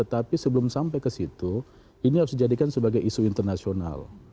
tapi sebelum sampai ke situ ini harus dijadikan sebagai isu internasional